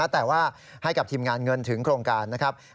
แต่ว่าให้กับทีมงานเงินถึงโครงการนะครับ